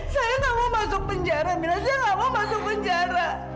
saya nggak mau masuk penjara mila saya nggak mau masuk penjara